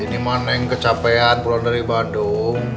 ini mah neng kecapean pulau dari bandung